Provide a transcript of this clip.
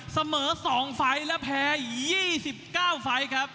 เสมอ๒ไฟล์และแพ้๒๙ไฟล์ครับ